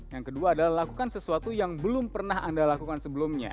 yang kedua adalah lakukan sesuatu yang belum pernah anda lakukan sebelumnya